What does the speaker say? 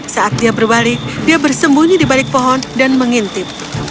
saat dia berbalik dia bersembunyi di balik pohon dan mengintip